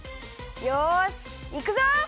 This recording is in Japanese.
よしいくぞ！